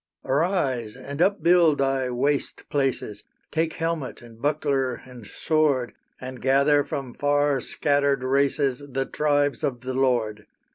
Arise, and upbuild thy waste places, Take helmet and buckler and sword, And gather from far scattered races The tribes of the Lord!